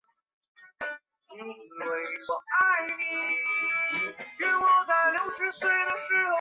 背眼虾虎鱼亚科的种类。